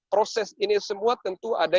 proses ini semua tentu ada